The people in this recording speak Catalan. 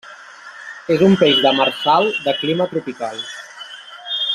És un peix demersal de clima tropical.